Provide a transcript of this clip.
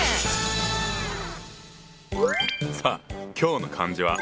さあ今日の漢字は？